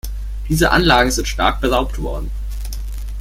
Diese Anlagen sind stark beraubt worden.